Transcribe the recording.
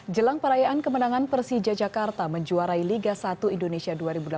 jelang perayaan kemenangan persija jakarta menjuarai liga satu indonesia dua ribu delapan belas